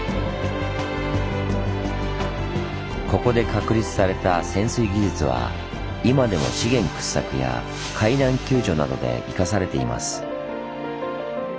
ここで確立された潜水技術は今でも資源掘削や海難救助などで生かされています。